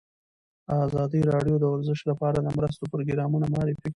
ازادي راډیو د ورزش لپاره د مرستو پروګرامونه معرفي کړي.